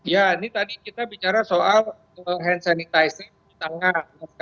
ya ini tadi kita bicara soal hand sanitizer di tangan